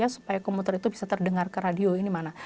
supaya komuter itu bisa terdengar ke radio ini mana